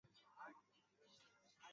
章水可能指